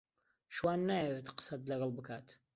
شوان نایەوێت قسەت لەگەڵ بکات.